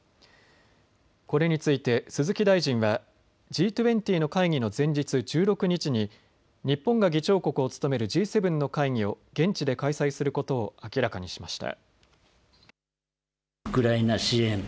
これについて鈴木大臣はＧ２０の会議の前日１６日に日本が議長国を務めるＧ７の会議を現地で開催することを明らかにしました。